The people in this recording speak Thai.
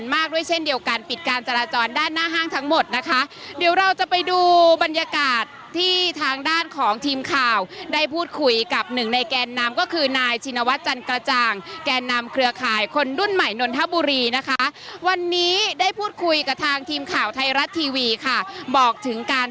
ฝั่งเซียโป้บอกผมเนี่ยแหละเป็นคนวิ่งหนีค่ะเพราะว่าเขาเอาปืนมายิงผม